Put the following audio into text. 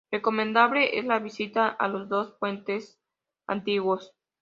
Recomendable es la visita a los dos puentes antiguos.